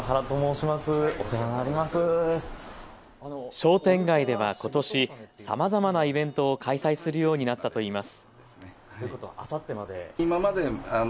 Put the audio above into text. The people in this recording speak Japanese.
商店街ではことしさまざまなイベントを開催するようになったといいます。